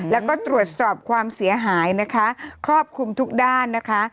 แล้วก็ตรวจสอบความเสียหายนะคะครอบคลุมทุกด้านนะคะ